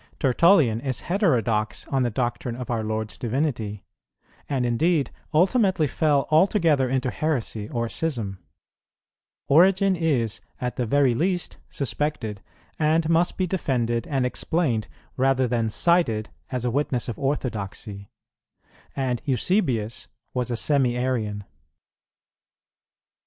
Tertullian is heterodox on the doctrine of our Lord's divinity,[17:3] and, indeed, ultimately fell altogether into heresy or schism; Origen is, at the very least, suspected, and must be defended and explained rather than cited as a witness of orthodoxy; and Eusebius was a Semi Arian.